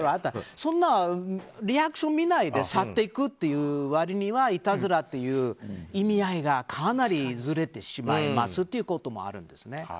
そんなリアクションを見ないで去っていくという割にはいたずらという意味合いがかなりずれるということもあるんですね。